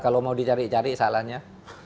kalau mau dicari cari salahnya